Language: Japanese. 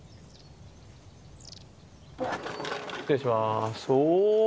失礼します。